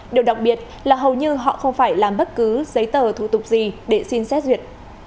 điều đặc biệt là hầu như họ không phải làm bất cứ giấy tờ thủ tục gì để xin xét duyệt